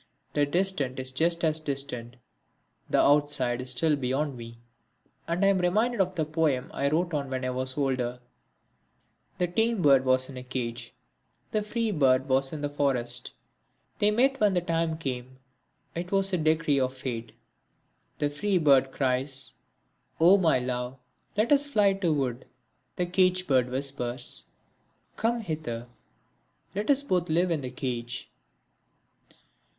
The distant is just as distant, the outside is still beyond me; and I am reminded of the poem I wrote when I was older: The tame bird was in a cage, the free bird was in the forest, They met when the time came, it was a decree of fate. The free bird cries, "O my love, let us fly to wood." The cage bird whispers, "Come hither, let us both live in the cage."